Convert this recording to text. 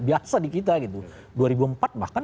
biasa di kita gitu dua ribu empat bahkan